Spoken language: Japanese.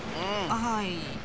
はい。